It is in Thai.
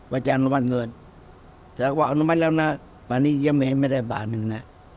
ว่าจะอนุมัติเงินแต่ว่าอนุมัติแล้วนะวันนี้ยังเหมือนไม่ได้บาทหนึ่งนะ